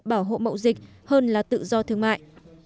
bảo hộ mậu dịch hơn là tự do thương mại